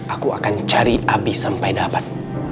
aku akan cari api sampai dapat